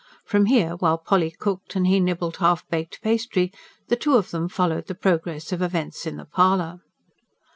From here, while Polly cooked and he nibbled half baked pastry, the two of them followed the progress of events in the parlour.